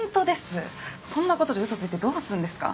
そんなことで嘘ついてどうすんですか？